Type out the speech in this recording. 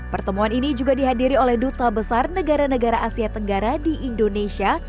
pertemuan ini juga dihadiri oleh duta besar negara negara asia tenggara di indonesia